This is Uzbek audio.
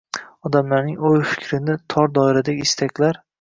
– odamlarning o‘y-fikrini tor doiradagi istaklar